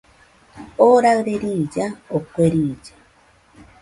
Oo raɨre riilla, o kue riilla